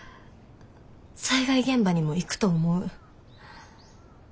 災害現場にも行くと思う。